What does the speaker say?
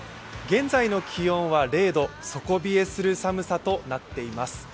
現在の気温は０度、底冷えする寒さとなっています。